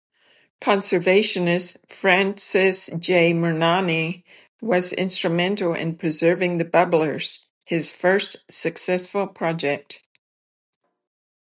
Conservationist Francis J. Murnane was instrumental in preserving the bubblers, his first successful project.